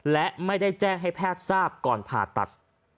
และไม่ได้แจ้งให้แพทย์ทราบก่อนผ่าตัด